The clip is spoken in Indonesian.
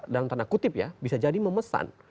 dalam tanda kutip ya bisa jadi memesan